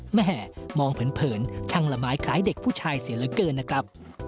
แหมมองเผินช่างละไม้คล้ายเด็กผู้ชายเสียเหลือเกินนะครับ